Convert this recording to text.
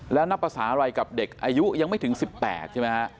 และนับประสาทอะไรกับเด็กอายุยังไม่ถึง๑๘ใช่ไหมครับ